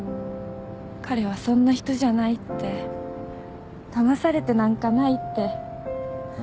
彼はそんな人じゃないってだまされてなんかないって。